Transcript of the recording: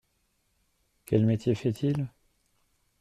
Quel métier fait-il ?